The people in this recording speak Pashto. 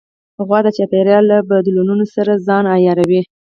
غوا د چاپېریال له بدلونونو سره ځان عیاروي.